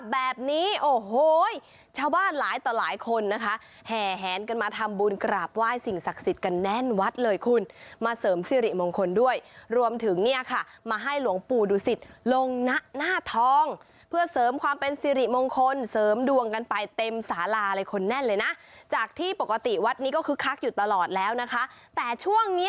แบบนี้โอ้โหชาวบ้านหลายต่อหลายคนนะคะแห่แหนกันมาทำบุญกราบไหว้สิ่งศักดิ์สิทธิ์กันแน่นวัดเลยคุณมาเสริมสิริมงคลด้วยรวมถึงเนี่ยค่ะมาให้หลวงปู่ดูสิตลงหน้าทองเพื่อเสริมความเป็นสิริมงคลเสริมดวงกันไปเต็มสาราเลยคนแน่นเลยนะจากที่ปกติวัดนี้ก็คึกคักอยู่ตลอดแล้วนะคะแต่ช่วงนี้